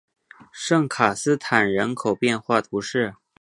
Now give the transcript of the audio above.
圣卡斯坦人口变化图示